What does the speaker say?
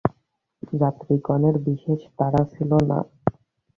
যাত্রিগণের বিশেষ তাড়া ছিল না।